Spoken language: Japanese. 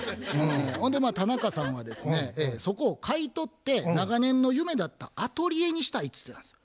ほんで田中さんはですね「そこを買い取って長年の夢だったアトリエにしたい」つってたんですよ。